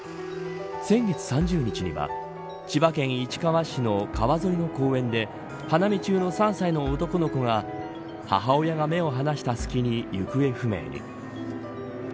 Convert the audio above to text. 先月３０日には千葉県市川市の川沿いの公園で花見中の３歳の男の子が母親が目を離した隙に行方不明に。